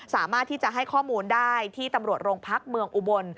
สามารถที่จะให้ข้อมูลได้ที่ตำรวจโรงพักเมืองอุบล